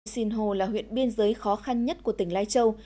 sinh hồ là huyện biên giới khó khăn nhất của tỉnh lai châu